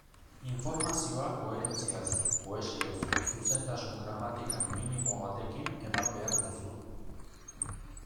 Informazioa koherentziaz, kohesioz, zuzentasun gramatikal minimo batekin eman behar duzu.